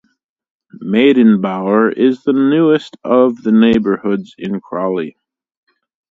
Maidenbower is the newest of the neighbourhoods in Crawley.